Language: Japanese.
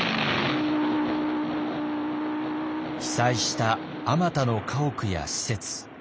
被災したあまたの家屋や施設。